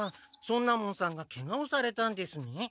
尊奈門さんがケガをされたんですね。